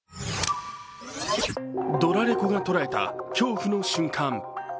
ドラレコがとらえた恐怖の瞬間。